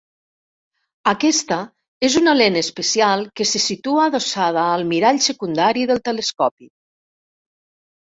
Aquesta és una lent especial que se situa adossada al mirall secundari del telescopi.